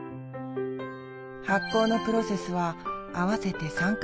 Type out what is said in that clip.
発酵のプロセスは合わせて３回あります。